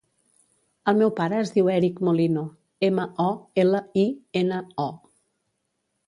El meu pare es diu Èric Molino: ema, o, ela, i, ena, o.